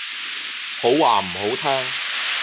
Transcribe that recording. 好話唔好聽